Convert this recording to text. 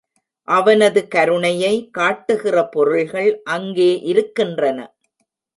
அவனது கருணையை காட்டுகிற பொருள்கள் அங்கே இருக்கின்றன.